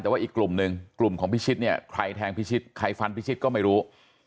แต่ว่าอีกกลุ่มหนึ่งกลุ่มของพิชิตเนี่ยใครแทงพิชิตใครฟันพิชิตก็ไม่รู้